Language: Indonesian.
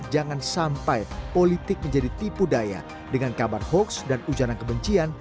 jangan sampai politik menjadi tipu daya dengan kabar hoaks dan ujana kebencian